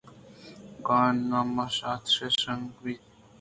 اگاں نا ما آ تُش تُش کُتگ اِتنت